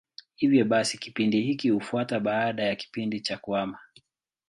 Hivyo basi kipindi hiki hufuata baada ya kipindi cha kuhama.